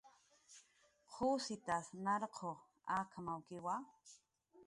"¿Qusitas narquq ak""mawkiqa?"